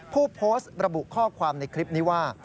ผู้โพสต์ระบุข้อความในคลิปนี้ว่า